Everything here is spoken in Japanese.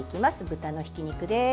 豚のひき肉です。